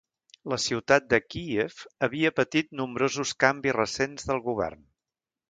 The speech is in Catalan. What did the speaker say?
La ciutat de Kíev havia patit nombrosos canvis recents del govern.